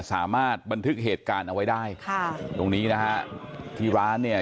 สามารถบันทึกเหตุการณ์เอาไว้ได้ค่ะตรงนี้นะฮะที่ร้านเนี่ย